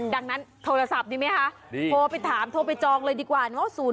ดังนั้นโทรศัพท์ดีไหมคะโทรไปถามโทรไปจองเลยดีกว่าเนอะ